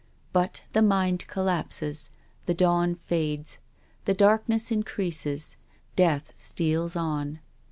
But the mind collapses. The dawn fades. The darkness increases, death steals on.